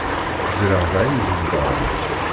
Ẓriɣ da ay tzedɣeḍ.